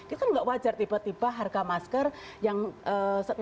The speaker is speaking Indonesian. itu kan nggak wajar tiba tiba harga masker yang setara